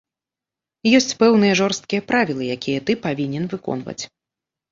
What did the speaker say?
Ёсць пэўныя жорсткія правілы, якія ты павінен выконваць.